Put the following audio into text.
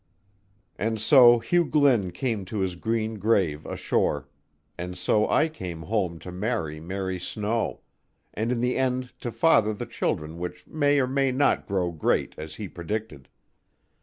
And so Hugh Glynn came to his green grave ashore; and so I came home to marry Mary Snow; and in the end to father the children which may or may not grow great as he predicted.